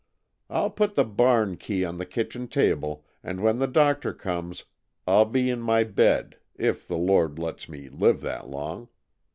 I'll put the barn key on the kitchen table, and when the doctor comes I'll be in my bed, if the Lord lets me live that long.